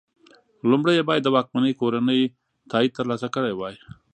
لومړی یې باید د واکمنې کورنۍ تایید ترلاسه کړی وای.